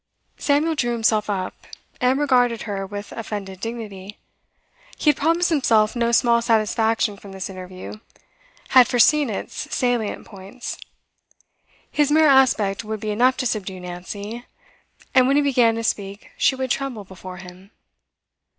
Samuel drew himself up, and regarded her with offended dignity. He had promised himself no small satisfaction from this interview, had foreseen its salient points. His mere aspect would be enough to subdue Nancy, and when he began to speak she would tremble before him.